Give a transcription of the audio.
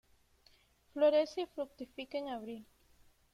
Florece y fructifica en abril.